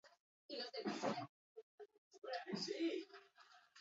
Izan ere, kontrolatzaileek arazo fisikoak argudiatuta utzi dituzte gaur euren lantokiak.